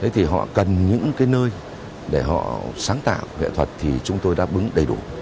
thì họ cần những nơi để họ sáng tạo nghệ thuật thì chúng tôi đã bứng đầy đủ